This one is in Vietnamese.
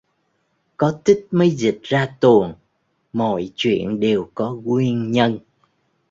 Có tích mới dịch ra tuồng: mọi chuyện đều có nguyên nhân